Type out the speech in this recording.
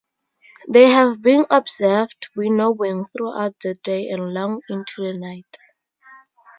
They have been observed "winnowing" throughout the day and long into the night.